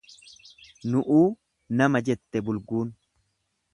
Nu'uu nama jette bulguun.